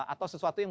atau sesuatu yang